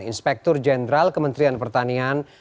inspektur jenderal kementerian pertanian